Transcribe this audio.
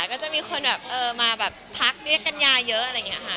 ก็จะมีคนแบบมาแบบทักเรียกกัญญาเยอะอะไรอย่างนี้ค่ะ